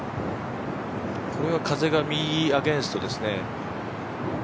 これは風が右アゲンストですね。